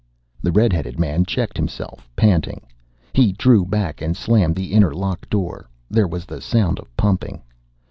The red headed man checked himself, panting. He drew back and slammed the inner lock door. There was the sound of pumping.